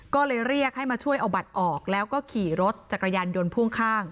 ก็เลยเรียกให้มาช่วยเอาบัตรออกแล้วก็ขี่รถจักรยานยนต์พ่วงข้าง